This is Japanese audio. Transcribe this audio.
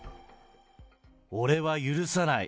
俺は許さない！